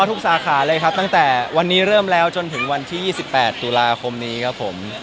ลาขาตั้งแต่วันนี้เริ่มแล้วจนถึงวันที่๒๘ตุลาคมนี้ครับผม